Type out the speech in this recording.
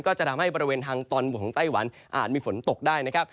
ก็จะทำให้บริเวณทางตอนบนของไต้หวันอาจมีฝนตกได้นะครับ